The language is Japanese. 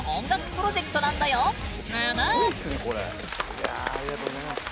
いやぁありがとうございます！